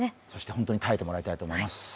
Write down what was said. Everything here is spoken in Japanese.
そして本当に耐えてもらいたいと思います。